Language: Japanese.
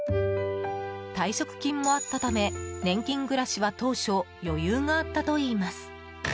退職金もあったため年金暮らしは当初、余裕があったといいます。